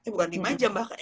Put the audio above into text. bukan lima jam bahkan